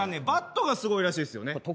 バットがすごいらしいですよね。